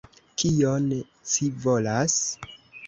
Kion ci volas?